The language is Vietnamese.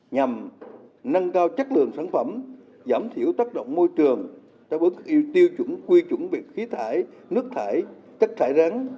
nhằm nâng cao chất lượng sản phẩm giảm thiểu tác động môi trường đối với các tiêu chuẩn quy chuẩn về khí thải nước thải chất thải rắn